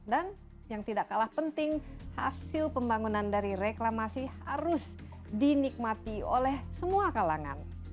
dan yang tidak kalah penting hasil pembangunan dari reklamasi harus dinikmati oleh semua kalangan